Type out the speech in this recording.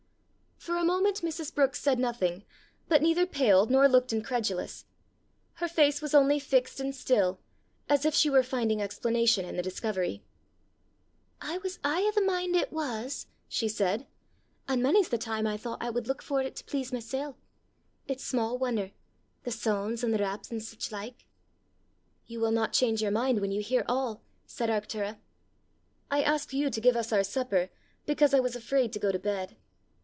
For a moment Mrs. Brookes said nothing, but neither paled nor looked incredulous; her face was only fixed and still, as if she were finding explanation in the discovery. "I was aye o' the min' it was," she said, "an' mony's the time I thoucht I wud luik for 't to please mysel'! It's sma' won'er the soon's, an' the raps, an' siclike!" "You will not change your mind when you hear all," said Arctura. "I asked you to give us our supper because I was afraid to go to bed."